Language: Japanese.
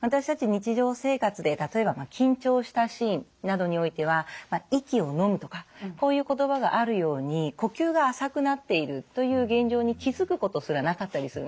日常生活で例えば緊張したシーンなどにおいては息をのむとかこういう言葉があるように呼吸が浅くなっているという現状に気付くことすらなかったりするんです。